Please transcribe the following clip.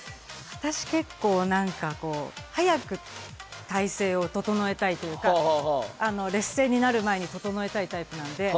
私結構何か早く態勢を整えたいというか劣勢になる前に整えたいタイプなんで。